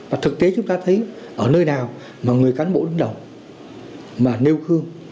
và thực tế chúng ta thấy ở nơi nào mà người cán bộ đứng đầu mà nêu khương